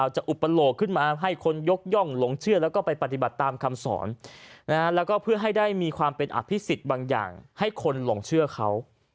อุปโลกขึ้นมาให้คนยกย่องหลงเชื่อแล้วก็ไปปฏิบัติตามคำสอนแล้วก็เพื่อให้ได้มีความเป็นอภิษฎบางอย่างให้คนหลงเชื่อเขา